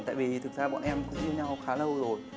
tại vì thực ra bọn em cũng như nhau khá lâu rồi